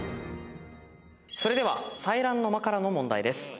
それでは彩鸞の間からの問題です。